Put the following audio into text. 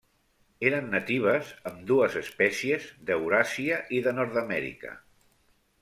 Eren natives, ambdues espècies, d'Euràsia i de Nord-amèrica.